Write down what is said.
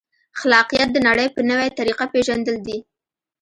خلاقیت د نړۍ په نوې طریقه پېژندل دي.